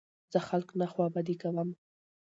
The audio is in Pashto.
زه خلک نه خوابدي کوم.